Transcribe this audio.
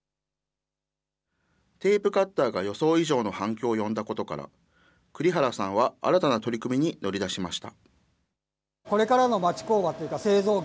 テープカッターが予想以上の反響を呼んだことから、栗原さんは新たな取り組みに乗り出しました。